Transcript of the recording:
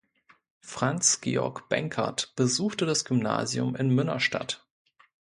Franz Georg Benkert besuchte das Gymnasium in Münnerstadt.